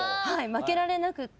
負けられなくって。